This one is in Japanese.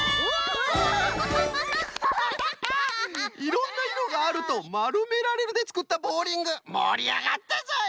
すごい！「いろんないろがある」と「まるめられる」でつくったボウリングもりあがったぞい！